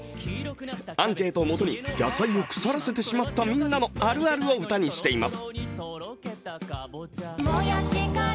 アンケートをもとに野菜を腐らせてしまったみんなのあるあるを歌にしています。